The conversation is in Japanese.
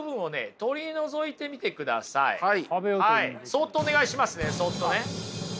そっとお願いしますねそっとね。